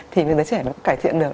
thì đứa trẻ nó cũng cải thiện được